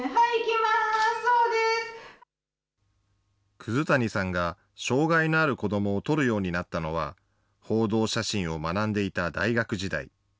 葛谷さんが障害のある子どもを撮るようになったのは、報道写真を学んでいた大学時代。